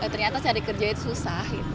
ternyata cari kerja itu susah